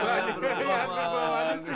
jangan berbuah manis